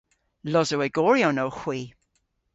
Losowegoryon owgh hwi.